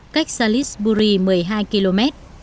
cách salisbury một mươi hai km